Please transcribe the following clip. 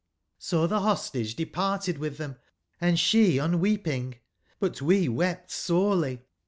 So the Hostage departed with them, & she unweeping, but wc wept sorely.